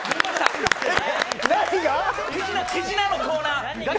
手品のコーナー。